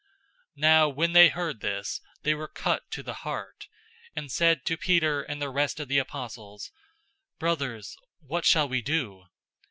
002:037 Now when they heard this, they were cut to the heart, and said to Peter and the rest of the apostles, "Brothers, what shall we do?"